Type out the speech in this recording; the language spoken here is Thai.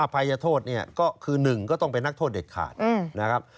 ภัยโทษเนี่ยก็คือ๑ก็ต้องเป็นนักโทษเด็ดขาดนะครับ